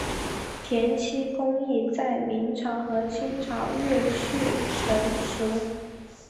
填漆工艺在明朝和清朝越趋成熟。